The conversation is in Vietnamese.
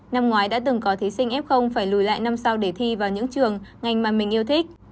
năm ngoái đã từng có thí sinh f phải lùi lại năm sau để thi vào những trường ngành mà mình yêu thích